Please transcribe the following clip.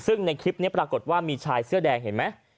ซึ่งในคลิปนี้ปรากฏว่ามีชายเสื้อแดงเห็นไหม